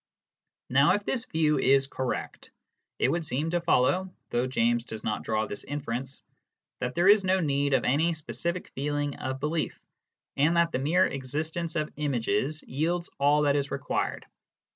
Now if this view is correct, it would seem to follow (though James does not draw this inference) that there is no need of any specific feeling of belief, and that the mere existence of images yields all that is required.